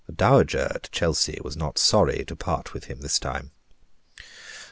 The Dowager at Chelsey was not sorry to part with him this time.